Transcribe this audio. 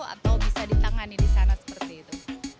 atau bisa ditangani di sana seperti itu